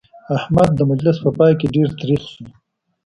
احمد د مجلس په پای کې ډېر تريخ شو.